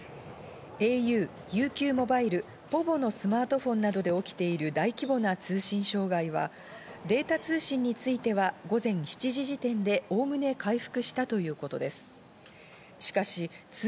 ａｕ、ＵＱモバイル、ｐｏｖｏのスマートフォンなどで起きている大規模な通信障害はデータ通信については午前７時時点でおおむね回復したということです。